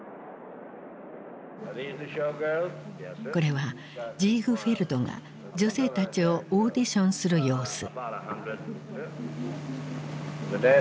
これはジーグフェルドが女性たちをオーディションする様子。